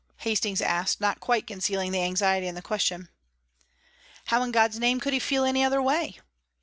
Hastings asked, not quite concealing the anxiety in the question. "How in God's name could he feel any other way?